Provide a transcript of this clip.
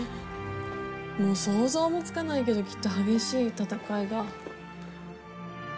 もう想像もつかないけどきっと激しい戦いが。